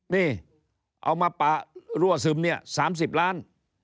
นี่เอามาปะรั่วซึมเนี่ย๓๐ล้าน